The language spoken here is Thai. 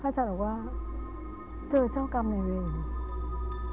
อาจารย์บอกว่าเจอเจ้ากรรมในเวร